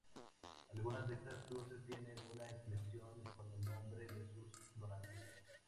Algunas de estas cruces tienen una inscripción con el nombre de sus donantes.